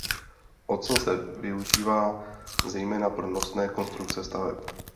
Ocel se využívá zejména pro nosné konstrukce staveb.